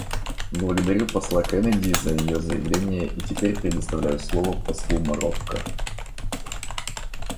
Благодарю посла Кеннеди за ее заявление и теперь предоставляю слово послу Марокко.